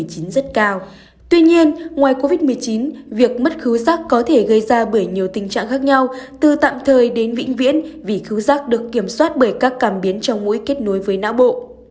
rất cao tuy nhiên ngoài covid một mươi chín việc mất khứ giác có thể gây ra bởi nhiều tình trạng khác nhau từ tạm thời đến vĩnh viễn vì khứ giác được kiểm soát bởi các cảm biến trong mũi kết nối với não bộ